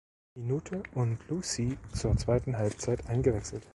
Minute und Lucie zur zweiten Halbzeit eingewechselt.